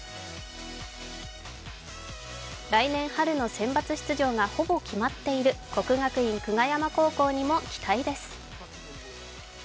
来年春のセンバツ出場がほぼ決まっている国学院久我山高校にも期待です。